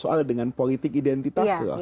soal dengan politik identitas